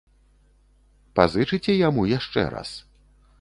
Пазычыце яму яшчэ раз?